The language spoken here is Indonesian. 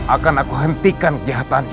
akan aku hentikan kejahatannya